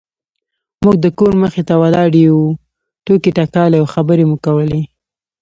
موږ د کور مخې ته ولاړې وو ټوکې ټکالې او خبرې مو کولې.